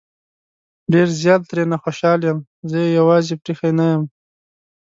ډېر زيات ترې نه خوشحال يم زه يې يوازې پرېښی نه يم